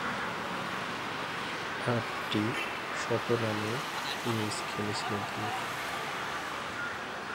আটটি শতরানের ইনিংস খেলেছিলেন তিনি।